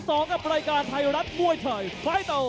สวัสดีครับทายุรัตน์มวยชายไฟเตอร์